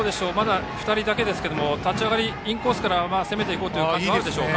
まだ２人だけですけれど立ち上がり、インコースから攻めていこうという感じがあるでしょうか。